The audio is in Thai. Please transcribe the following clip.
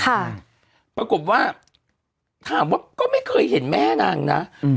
ปรากฏว่าถามว่าก็ไม่เคยเห็นแม่นางนะอืม